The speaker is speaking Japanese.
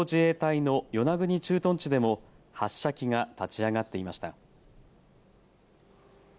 陸上自衛隊の与那国駐屯地でも発射機が立ち上がっていました。